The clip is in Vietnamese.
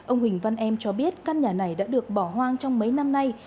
ông huỳnh văn em cho biết căn nhà này đã được bỏ hoang trong mấy năm nay